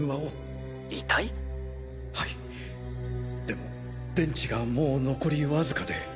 でも電池がもう残り僅かで。